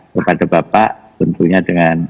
kepada bapak tentunya dengan